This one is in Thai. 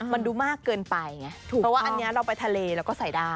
มันดูมากเกินไปไงถูกเพราะว่าอันนี้เราไปทะเลเราก็ใส่ได้